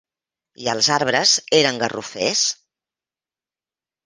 I els arbres eren garrofers.